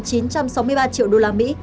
chín trăm sáu mươi ba triệu đô la mỹ